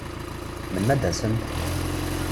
Melmi ad d-asen?